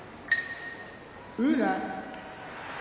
宇良